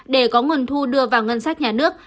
để có nguồn thu đưa vào ngân sách nhà nước